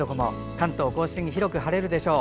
関東・甲信、広く晴れるでしょう。